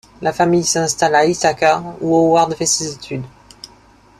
La famille s’installe à Ithaca où Howard fait ses études.